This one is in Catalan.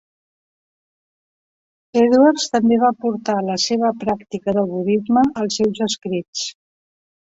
Edwards també va portar la seva pràctica del budisme als seus escrits.